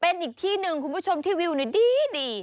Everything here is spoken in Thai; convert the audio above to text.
เป็นอีกที่หนึ่งคุณผู้ชมที่วิวนี่ดี